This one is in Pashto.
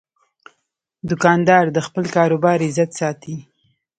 دوکاندار د خپل کاروبار عزت ساتي.